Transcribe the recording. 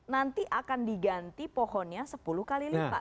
nanti akan diganti pohonnya sepuluh kali lipat